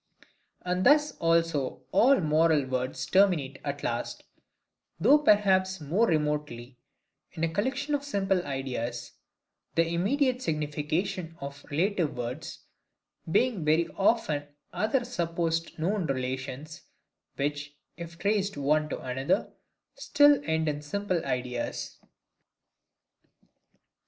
And thus also all moral words terminate at last, though perhaps more remotely, in a collection of simple ideas: the immediate signification of relative words, being very often other supposed known relations; which, if traced one to another, still end in simple ideas.